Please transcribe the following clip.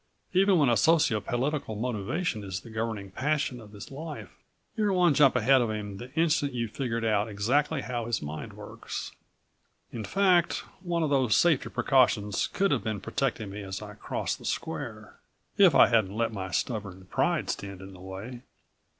Even when a socio political motivation is the governing passion of his life you're one jump ahead of him the instant you've figured out exactly how his mind works. In fact, one of those safety precautions could have been protecting me as I crossed the square, if I hadn't let my stubborn pride stand in the way.